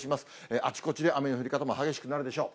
あちこちで雨の降り方も激しくなるでしょう。